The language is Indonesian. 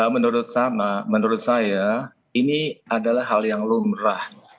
menurut sama menurut saya ini adalah hal yang lumrah